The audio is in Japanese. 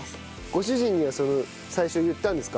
ご主人には最初言ったんですか？